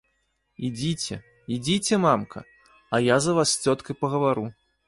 Ідзіце, ідзіце, мамка, а я за вас з цёткай пагавару.